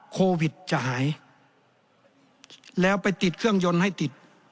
โควิดจะหายแล้วไปติดเครื่องยนต์ให้ติด